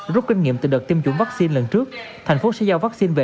rút kinh nghiệm từ đợt tiêm chủng vắc xin lần trước thành phố sẽ giao vắc xin về